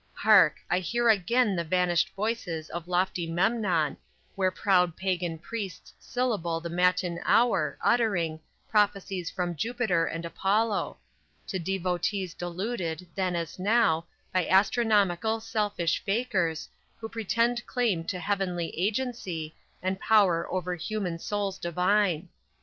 Hark! I hear again the vanished voices Of lofty Memnon, where proud pagan priests Syllable the matin hour, uttering Prophecies from Jupiter and Apollo To devotees deluded, then as now, By astronomical, selfish fakirs, Who pretend claim to heavenly agency And power over human souls divine.